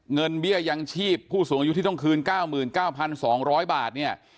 เบี้ยยังชีพผู้สูงอายุที่ต้องคืน๙๙๒๐๐บาทเนี่ย